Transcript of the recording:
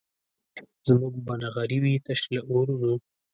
زموږ به نغري وي تش له اورونو